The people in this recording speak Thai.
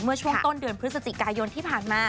เมื่อช่วงต้นเดือนพฤศจิกายนที่ผ่านมา